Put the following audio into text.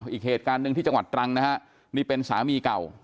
อีกเหตุการณ์หนึ่งที่จังหวัดตรังนะฮะนี่เป็นสามีเก่า